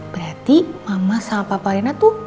berarti mama sama papa rena tuh